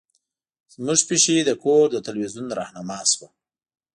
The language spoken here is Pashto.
زمونږ پیشو د کور د تلویزیون رهنما شوه.